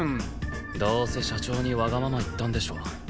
どうせ社長にわがまま言ったんでしょ。